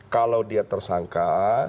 kalau dia tersangka